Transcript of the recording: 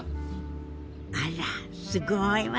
あらすごいわね。